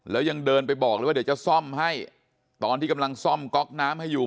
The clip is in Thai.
แล้วยังเดินไปบอกเลยว่าเดี๋ยวจะซ่อมให้ตอนที่กำลังซ่อมก๊อกน้ำให้อยู่